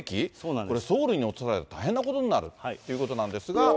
これ、ソウルに落とされたら大変なことになるということなんですが。